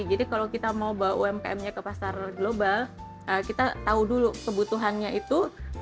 jadi kalau kita mau bawa umkm nya ke pasar global kita tahu dulu kebutuhannya itu